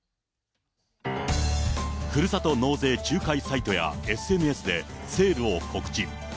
ふるさと納税仲介サイトやＳＮＳでセールを告知。